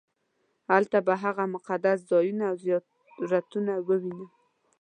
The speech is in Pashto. هلته به هغه مقدس ځایونه او زیارتونه ووینم.